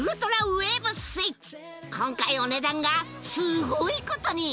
今回お値段がすごいことに！